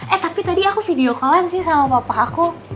eh tapi tadi aku video call an sih sama papa aku